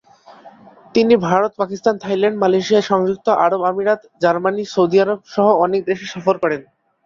তিনি Bharat, Pakistan, Thailand, Malaysia, সংযুক্ত আরব আমিরাত, জার্মানি এবং সৌদি আরব সহ অনেক দেশ সফর করেন।